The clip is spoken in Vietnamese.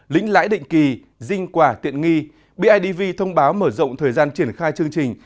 lĩnh lãi định kỳ dinh quả tiện nghi bidv thông báo mở rộng thời gian triển khai chương trình